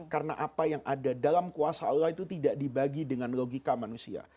karena apa yang ada dalam kuasa allah itu tidak dibagi dengan logika manusia